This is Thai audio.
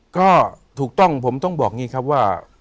ก็ถูกต้องผมต้องบอกอย่างนี้ครับว่า